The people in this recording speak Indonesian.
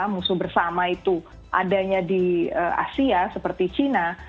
musuh bersama itu adanya di asia seperti china